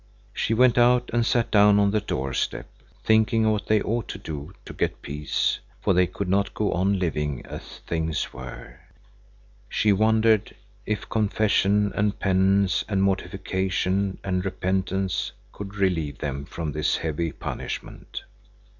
She went out and sat down on the doorstep, thinking of what they ought to do to get peace, for they could not go on living as things were. She wondered if confession and penance and mortification and repentance could relieve them from this heavy punishment.